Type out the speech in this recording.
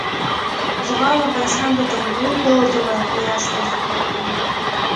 زغال د افغانستان د ځانګړي ډول جغرافیه استازیتوب کوي.